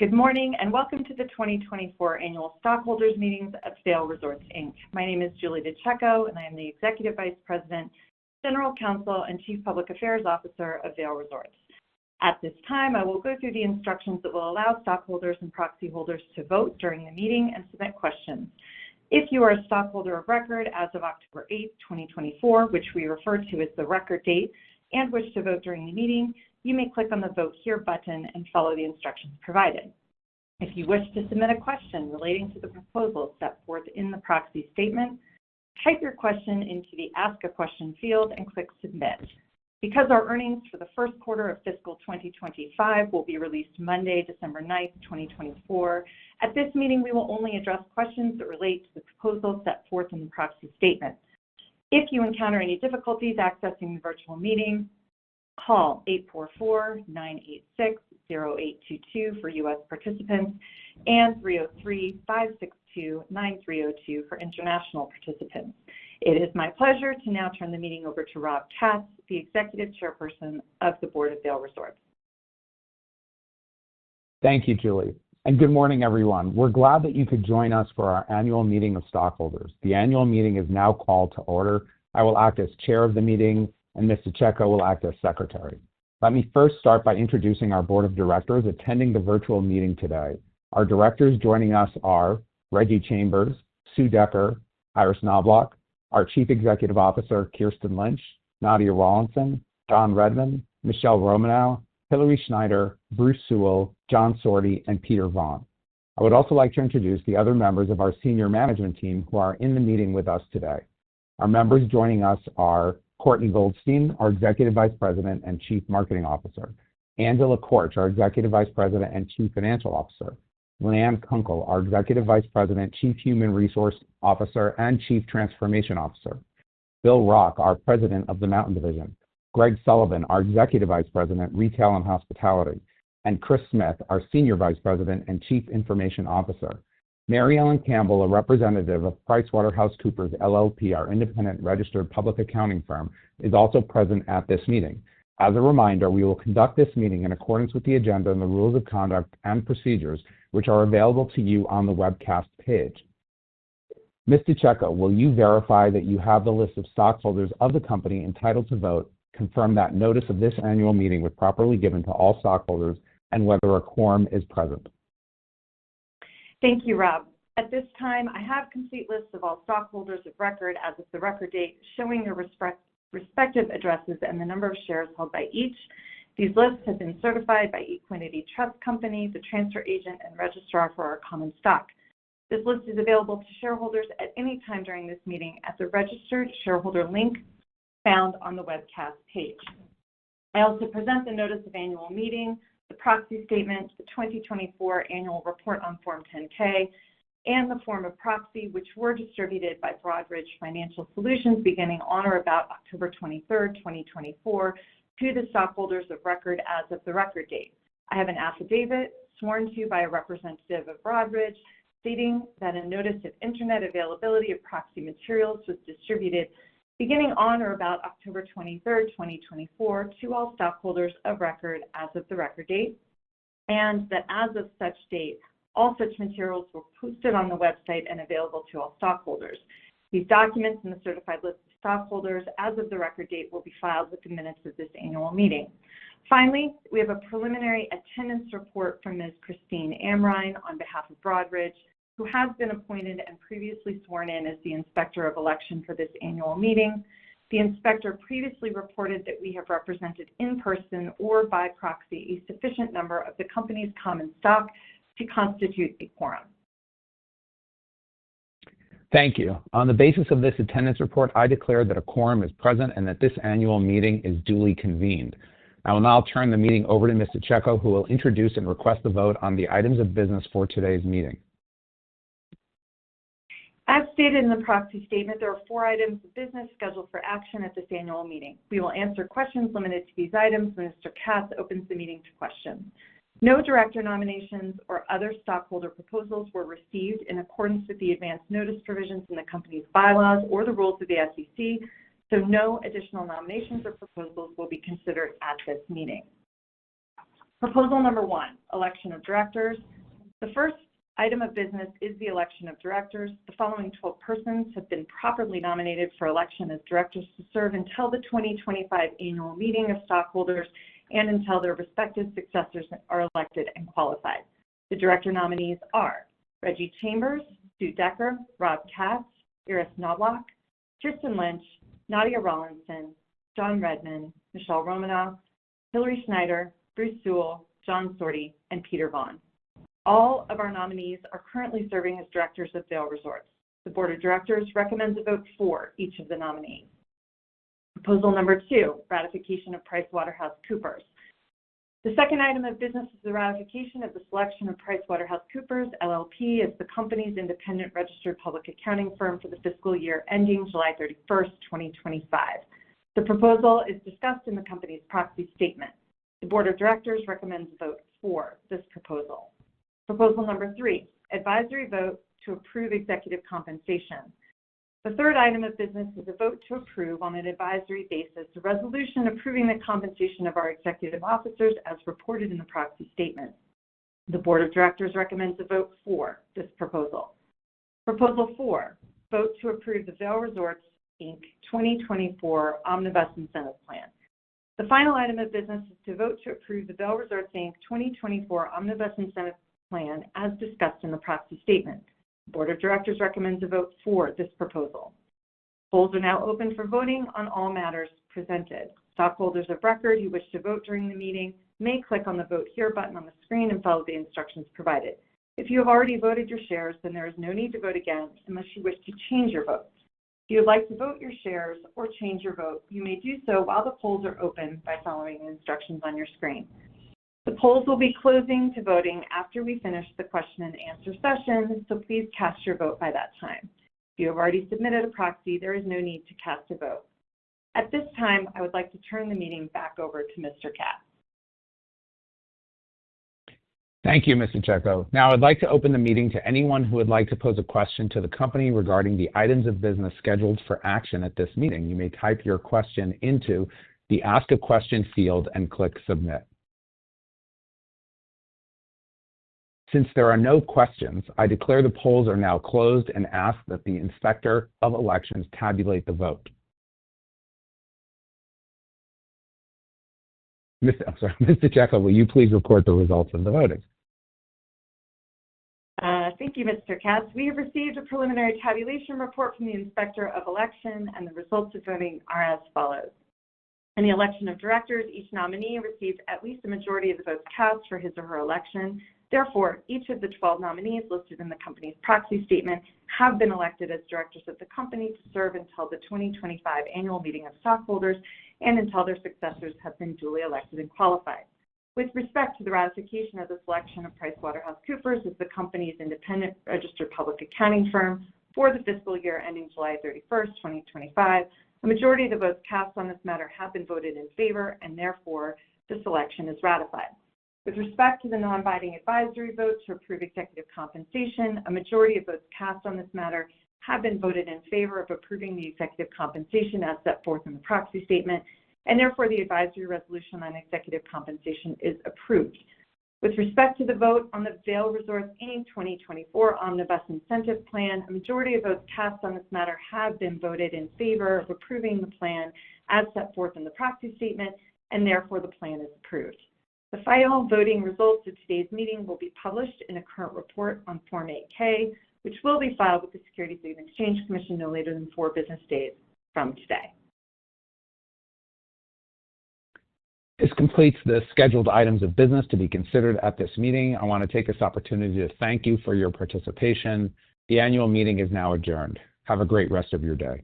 Good morning and welcome to the 2024 Annual Stockholders Meetings of Vail Resorts Inc. My name is Julie DeCecco, and I am the Executive Vice President, General Counsel, and Chief Public Affairs Officer of Vail Resorts. At this time, I will go through the instructions that will allow stockholders and proxy holders to vote during the meeting and submit questions. If you are a stockholder of record as of October 8, 2024, which we refer to as the record date, and wish to vote during the meeting, you may click on the "Vote Here" button and follow the instructions provided. If you wish to submit a question relating to the proposal set forth in the proxy statement, type your question into the "Ask a Question" field and click "Submit." Because our earnings for Q1 of fiscal 2025 will be released Monday, December 9, 2024, at this meeting, we will only address questions that relate to the proposal set forth in the proxy statement. If you encounter any difficulties accessing the virtual meeting, call 844-986-0822 for U.S. participants and 303-562-9302 for international participants. It is my pleasure to now turn the meeting over to Rob Katz, the Executive Chairperson of the Board of Vail Resorts. Thank you, Julie, and good morning, everyone. We're glad that you could join us for our annual meeting of stockholders. The annual meeting is now called to order. I will act as Chair of the meeting, and Ms. DeCecco will act as Secretary. Let me first start by introducing our Board of Directors attending the virtual meeting today. Our directors joining us are Reggie Chambers, Sue Decker, Iris Knobloch, our Chief Executive Officer, Kirsten Lynch, Nadia Rawlinson, John Redmond, Michele Romanow, Hilary Schneider, Bruce Sewell, John Sorte, and Peter Vaughn. I would also like to introduce the other members of our senior management team who are in the meeting with us today. Our members joining us are Courtney Goldstein, our Executive Vice President and Chief Marketing Officer. Angela Korch, our Executive Vice President and Chief Financial Officer. Lynanne Kunkel, our Executive Vice President, Chief Human Resource Officer, and Chief Transformation Officer. Bill Rock, our President of the Mountain Division. Greg Sullivan, our Executive Vice President, Retail and Hospitality. And Chris Smith, our Senior Vice President and Chief Information Officer. Mary Ellen Campbell, a representative of PricewaterhouseCoopers LLP, our independent registered public accounting firm, is also present at this meeting. As a reminder, we will conduct this meeting in accordance with the agenda and the rules of conduct and procedures, which are available to you on the webcast page. Ms. DeCecco, will you verify that you have the list of stockholders of the company entitled to vote, confirm that notice of this annual meeting was properly given to all stockholders, and whether a quorum is present? Thank you, Rob. At this time, I have complete lists of all stockholders of record as of the record date, showing their respective addresses and the number of shares held by each. These lists have been certified by Equiniti Trust Company, the transfer agent, and registrar for our common stock. This list is available to shareholders at any time during this meeting at the registered shareholder link found on the webcast page. I also present the notice of annual meeting, the proxy statement, the 2024 annual report on Form 10-K, and the form of proxy, which were distributed by Broadridge Financial Solutions beginning on or about October 23, 2024, to the stockholders of record as of the record date. I have an affidavit sworn to by a representative of Broadridge stating that a notice of internet availability of proxy materials was distributed beginning on or about October 23, 2024, to all stockholders of record as of the record date, and that as of such date, all such materials were posted on the website and available to all stockholders. These documents and the certified list of stockholders as of the record date will be filed within minutes of this annual meeting. Finally, we have a preliminary attendance report from Ms. Christine Amrein on behalf of Broadridge, who has been appointed and previously sworn in as the Inspector of Election for this annual meeting. The Inspector previously reported that we have represented in person or by proxy a sufficient number of the company's common stock to constitute a quorum. Thank you. On the basis of this attendance report, I declare that a quorum is present and that this annual meeting is duly convened. I will now turn the meeting over to Ms. DeCecco, who will introduce and request the vote on the items of business for today's meeting. As stated in the proxy statement, there are four items of business scheduled for action at this annual meeting. We will answer questions limited to these items. Mr. Katz opens the meeting to questions. No director nominations or other stockholder proposals were received in accordance with the advance notice provisions in the company's bylaws or the rules of the SEC, so no additional nominations or proposals will be considered at this meeting. Proposal number one: Election of Directors. The first item of business is the election of directors. The following 12 persons have been properly nominated for election as directors to serve until the 2025 annual meeting of stockholders and until their respective successors are elected and qualified. The director nominees are Reggie Chambers, Sue Decker, Rob Katz, Iris Knobloch, Kirsten Lynch, Nadia Rawlinson, John Redmond, Michele Romanow, Hilary Schneider, Bruce Sewell, John Sorte, and Peter Vaughn. All of our nominees are currently serving as directors of Vail Resorts. The Board of Directors recommends a vote for each of the nominees. Proposal number two: Ratification of PricewaterhouseCoopers. The second item of business is the ratification of the selection of PricewaterhouseCoopers LLP as the company's independent registered public accounting firm for the fiscal year ending July 31, 2025. The proposal is discussed in the company's proxy statement. The Board of Directors recommends a vote for this proposal. Proposal number three: Advisory vote to approve executive compensation. The third item of business is a vote to approve on an advisory basis the resolution approving the compensation of our executive officers as reported in the proxy statement. The Board of Directors recommends a vote for this proposal. Proposal four: Vote to approve the Vail Resorts Inc. 2024 Omnibus Incentive Plan. The final item of business is to vote to approve the Vail Resorts Inc. 2024 Omnibus Incentive Plan as discussed in the proxy statement. The Board of Directors recommends a vote for this proposal. Polls are now open for voting on all matters presented. Stockholders of record who wish to vote during the meeting may click on the "Vote Here" button on the screen and follow the instructions provided. If you have already voted your shares, then there is no need to vote again unless you wish to change your vote. If you would like to vote your shares or change your vote, you may do so while the polls are open by following the instructions on your screen. The polls will be closing to voting after we finish the question-and-answer session, so please cast your vote by that time. If you have already submitted a proxy, there is no need to cast a vote. At this time, I would like to turn the meeting back over to Mr. Katz. Thank you, Ms. DeCecco. Now, I would like to open the meeting to anyone who would like to pose a question to the company regarding the items of business scheduled for action at this meeting. You may type your question into the "Ask a Question" field and click "Submit." Since there are no questions, I declare the polls are now closed and ask that the Inspector of Elections tabulate the vote. Ms. DeCecco, will you please report the results of the voting? Thank you, Mr. Katz. We have received a preliminary tabulation report from the Inspector of Election, and the results of voting are as follows. In the election of directors, each nominee received at least a majority of the votes cast for his or her election. Therefore, each of the 12 nominees listed in the company's proxy statement have been elected as directors of the company to serve until the 2025 annual meeting of stockholders and until their successors have been duly elected and qualified. With respect to the ratification of the selection of PricewaterhouseCoopers as the company's independent registered public accounting firm for the fiscal year ending July 31, 2025, a majority of the votes cast on this matter have been voted in favor, and therefore, the selection is ratified. With respect to the non-binding advisory vote to approve executive compensation, a majority of votes cast on this matter have been voted in favor of approving the executive compensation as set forth in the proxy statement, and therefore, the advisory resolution on executive compensation is approved. With respect to the vote on the Vail Resorts Inc. 2024 Omnibus Incentive Plan, a majority of votes cast on this matter have been voted in favor of approving the plan as set forth in the proxy statement, and therefore, the plan is approved. The final voting results of today's meeting will be published in a current report on Form 8-K, which will be filed with the Securities and Exchange Commission no later than four business days from today. This completes the scheduled items of business to be considered at this meeting. I want to take this opportunity to thank you for your participation. The annual meeting is now adjourned. Have a great rest of your day.